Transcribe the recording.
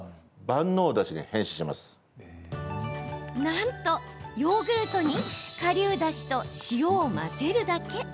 なんとヨーグルトにかりゅうだしと塩を混ぜるだけ。